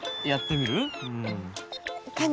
やってみる？